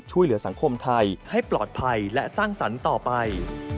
ช่วยเหลือสังคมไทยให้ปลอดภัยและสร้างสรรค์ต่อไป